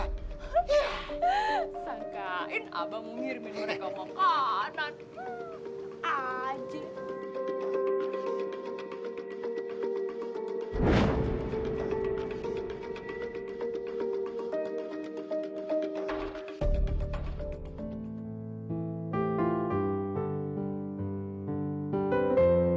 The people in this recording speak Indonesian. ya sangkain abang mau ngirimin mereka makanan